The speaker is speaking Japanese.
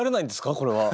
これは。